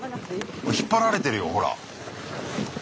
引っ張られてるよほら！